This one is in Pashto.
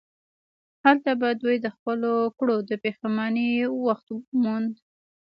هلته به دوی د خپلو کړو د پښیمانۍ وخت موند.